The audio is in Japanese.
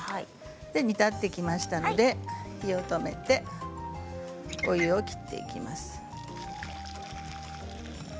煮立ってきましたので火を止めてお湯を切っていきます。